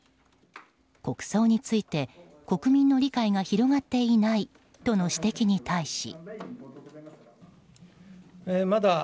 国葬について国民の理解が広がっていないとの指摘に対し。